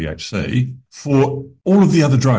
untuk semua obat lainnya